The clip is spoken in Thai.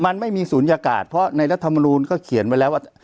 มันไม่มีศูนยากาศเพราะในรัฐมนูลก็เขียนไว้แล้วว่า